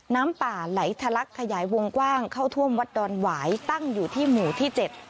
น้ำป่าไหลทะลักขยายวงกว้างเข้าท่วมวัดดอนหวายตั้งอยู่ที่หมู่ที่เจ็ด